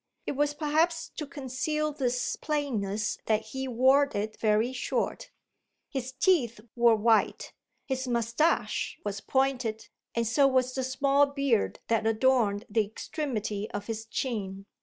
It was perhaps to conceal this plainness that he wore it very short. His teeth were white, his moustache was pointed, and so was the small beard that adorned the extremity of his chin.